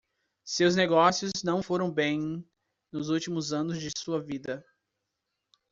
Seus negócios não foram bem nos últimos anos de sua vida.